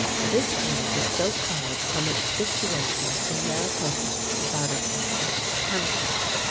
This grove is so called from its situation in Mariposa (Butterfly) County.